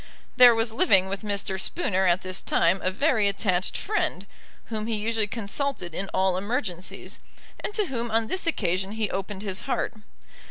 There was living with Mr. Spooner at this time a very attached friend, whom he usually consulted in all emergencies, and to whom on this occasion he opened his heart.